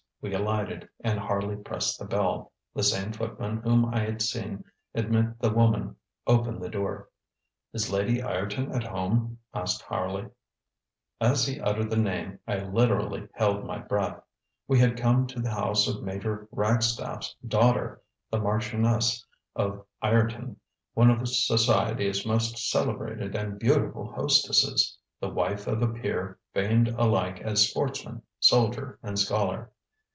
We alighted, and Harley pressed the bell. The same footman whom I had seen admit the woman opened the door. ŌĆ£Is Lady Ireton at home? ŌĆØ asked Harley. As he uttered the name I literally held my breath. We had come to the house of Major Ragstaff's daughter, the Marchioness of Ireton, one of society's most celebrated and beautiful hostesses! the wife of a peer famed alike as sportsman, soldier, and scholar.